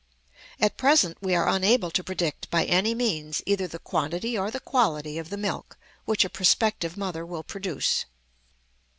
At present we are unable to predict by any means either the quantity or the quality of the milk which a prospective mother will produce.